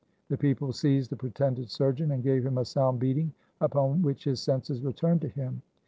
The people seized the pretended surgeon, and gave him a sound beating, upon which his senses returned to him.